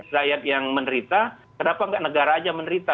rakyat yang menerita kenapa nggak negara aja menerita